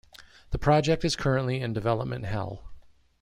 The project is currently in development hell.